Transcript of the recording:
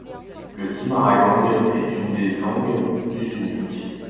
Le kimaragang est une des langues dusuniques.